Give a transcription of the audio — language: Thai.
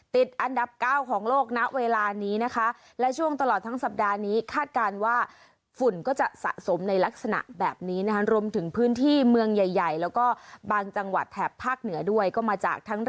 ติดอันดับ๙ของโลกนะเวลานี้นะคะ